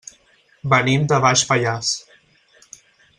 Venim de Baix Pallars.